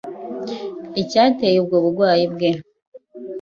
icyateye ubwo burwayi bwe